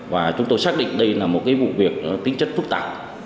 và chúng tôi xác định đây là một vụ việc tính chất phức tạp